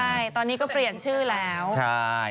ใช่ตอนนี้ก็เปลี่ยนชื่อแล้วใช่